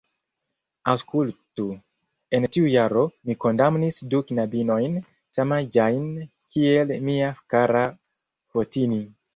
Aŭskultu: en tiu jaro, mi kondamnis du knabinojn, samaĝajn kiel mia kara Fotini.